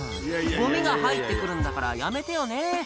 「ゴミが入ってくるんだからやめてよね」